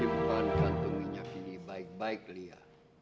kamu harus simpankan minyak ini baik baik lia